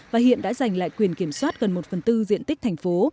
và hiện đã giành lại quyền kiểm soát gần một phần tư diện tích thành phố